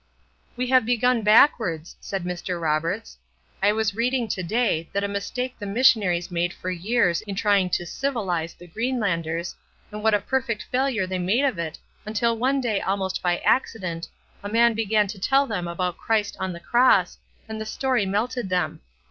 "We have begun backwards," said Mr. Roberts; "I was reading to day that a mistake the missionaries made for years in trying to civilize the Greenlanders; and what a perfect failure they made of it until one day almost by accident, a man began to tell them about Christ on the cross, and the story melted them.